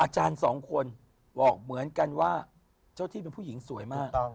อาจารย์สองคนบอกเหมือนกันว่าเจ้าที่เป็นผู้หญิงสวยมาก